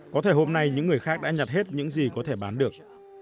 có thể hôm nay những người khác đã nhặt hết những gì có thể bán được